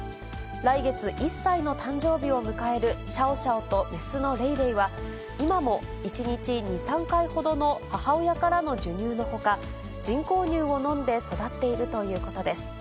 来月、１歳の誕生日を迎えるシャオシャオと雌のレイレイは、今も１日２、３回ほどの母親からの授乳のほか、人工乳を飲んで育っているということです。